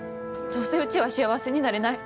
どうせうちは幸せになれない。